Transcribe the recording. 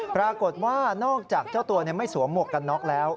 ปรากฏว่านอกจากเจ้าตัวไม่สวมหมวกกันน็อกแล้ว